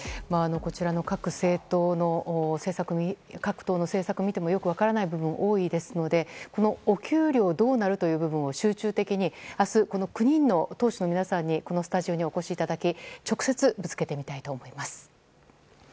こちらの各党の政策を見てもよく分からない部分多いですのでこの給料がどうなるという部分を集中的に明日、９人の党首の皆さんにこのスタジオにお越しいただき直接ぶつけてみたいと思います。